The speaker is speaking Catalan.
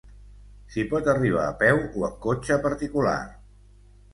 S'hi pot arribar a peu o en cotxe particular.